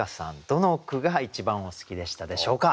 どの句が一番お好きでしたでしょうか？